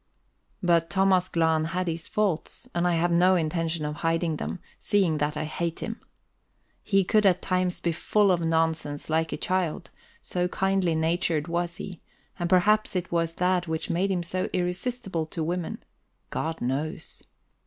But Thomas Glahn had his faults, and I have no intention of hiding them, seeing that I hate him. He could at times be full of nonsense like a child, so kindly natured was he; and perhaps it was that which made him so irresistible to women. God knows!